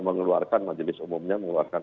mengeluarkan majelis umumnya mengeluarkan